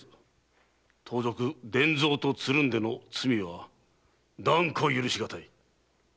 盗賊・伝蔵とつるんでの罪は断固許しがたい。